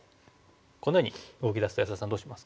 このように動き出すと安田さんどうしますか？